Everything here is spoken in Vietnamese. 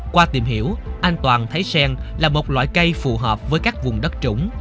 qua tìm hiểu an toàn thấy sen là một loại cây phù hợp với các vùng đất trũng